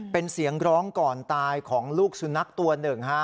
เป็นเสียงร้องก่อนตายของลูกสุนัขตัวหนึ่งฮะ